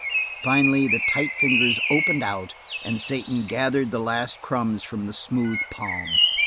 Finally the tight fingers opened out, and Satan gathered the last crumbs from the smooth palm.